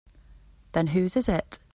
Then whose is it?